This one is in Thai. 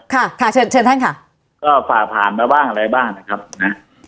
ค่ะค่ะเชิญเชิญท่านค่ะก็ฝ่าผ่านมาบ้างอะไรบ้างนะครับนะ